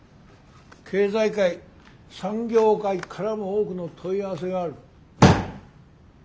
経済界産業界からも多くの問い合わせがある。